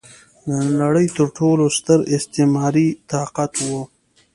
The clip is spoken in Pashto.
د نړۍ تر ټولو ستر استعماري طاقت و.